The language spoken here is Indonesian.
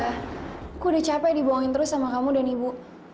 aku udah capek dibuangin terus sama kamu dan ibu